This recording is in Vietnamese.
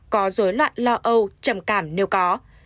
có dối loạn lo âu trầm cảm nếu có